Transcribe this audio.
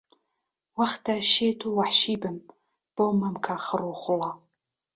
وەختە شێت و وەحشی بم بەو مەمکە خڕ و خۆڵە